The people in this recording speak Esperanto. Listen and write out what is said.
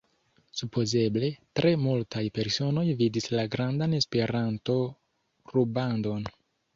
Supozeble tre multaj personoj vidis la grandan Esperanto-rubandon.